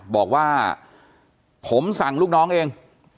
บอกว่าผมสั่งลูกน้องเอง